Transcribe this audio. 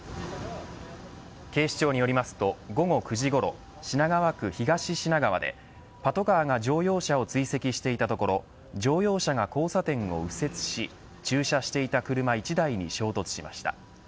警視庁によりますと午後９時ごろ品川区東品川でパトカーが乗用車を追跡していたところ乗用車が交差点を右折し駐車していた車１台に衝突しました。